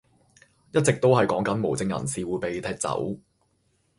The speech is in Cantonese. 一直都係講緊無證人士會被踢走